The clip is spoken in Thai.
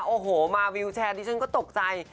โอ้โหมาวิวแชร์ดิฉันก็ตกใจ